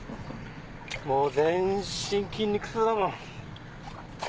もう全身筋肉痛だもん。